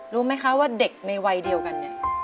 รู้ไหมคะว่าเด็กในวัยเดียวกันเนี่ย